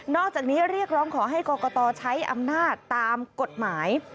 อกจากนี้เรียกร้องขอให้กรกตใช้อำนาจตามกฎหมาย